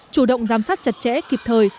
chủ động giám sát chặt chẽ kịp thời